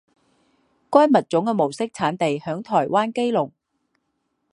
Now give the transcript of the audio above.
该物种的模式产地在台湾基隆。